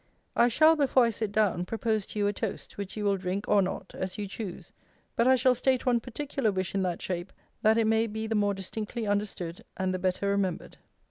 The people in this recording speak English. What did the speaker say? I shall, before I sit down, propose to you a toast, which you will drink, or not, as you choose: but I shall state one particular wish in that shape, that it may be the more distinctly understood, and the better remembered.